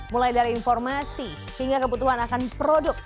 mulai dari informasi hingga kebutuhan akan produk